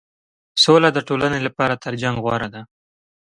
سوله د ټولنې لپاره تر جنګ غوره ده.